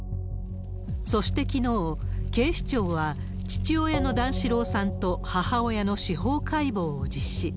そしてきのう、警視庁は父親の段四郎さんと、母親の司法解剖を実施。